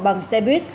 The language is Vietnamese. bằng xe buýt